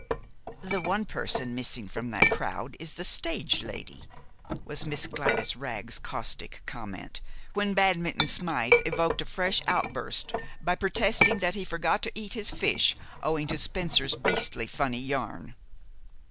"The one person missing from that crowd is the stage lady," was Miss Gladys Wragg's caustic comment, when Badminton Smythe evoked a fresh outburst by protesting that he forgot to eat his fish owing to Spencer's beastly funny yarn.